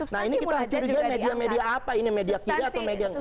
nah ini kita mencurigai media media apa ini media kira atau media nggak